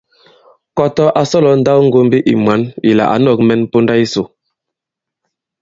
Kɔtɔ a sɔ̀lɔ nndawŋgōmbi ì mwǎn ì ǎ nɔ̄k myaŋgo mye ponda yisò.